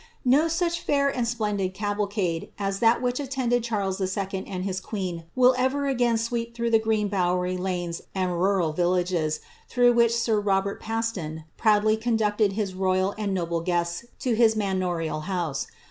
o such iuT and splendid cavalcade, as that which attended Chuies nd his queen will ever again sweep through the green bowery lanes rural villages, through which sir Robert Paston proudly conducted royal and noble guests to his manorial house.